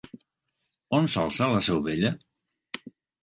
On s'alça La Seu Vella?